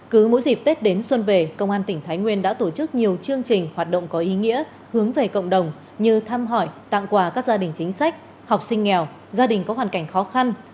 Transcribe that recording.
cứ mỗi dịp tết đến xuân về công an tỉnh thái nguyên đã tổ chức nhiều chương trình hoạt động có ý nghĩa hướng về cộng đồng như thăm hỏi tặng quà các gia đình chính sách học sinh nghèo gia đình có hoàn cảnh khó khăn